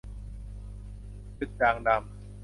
จุดด่างดำ